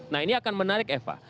nah ini akan menarik eva